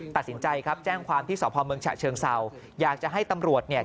ตัดสินใจครับแจ้งความที่สพเมืองฉะเชิงเศร้าอยากจะให้ตำรวจเนี่ย